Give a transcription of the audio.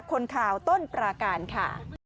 คนข่าวต้นปราการค่ะ